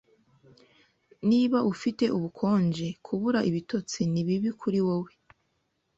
Niba ufite ubukonje, kubura ibitotsi nibibi kuri wewe.